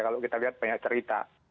kalau kita lihat banyak cerita